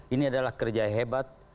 ini adalah kerja hebat